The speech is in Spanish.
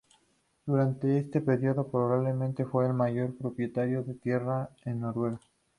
Durante este periodo probablemente fue el mayor propietario de tierra en Noruega.